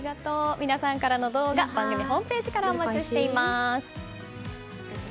皆さんからの動画番組ホームページからお待ちしています。